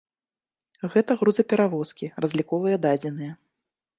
Гэта грузаперавозкі, разліковыя дадзеныя.